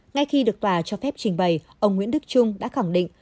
ngay khi được tòa cho phép trình bày ông nguyễn đức trung đã khẳng định